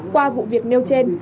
qua vụ việc nêu trên